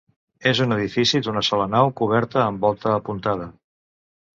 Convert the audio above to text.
És un edifici d'una sola nau coberta amb volta apuntada.